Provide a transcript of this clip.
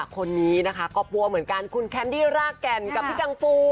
คนนี้นะคะก็กลัวเหมือนกันคุณแคนดี้รากแก่นกับพี่จังฟู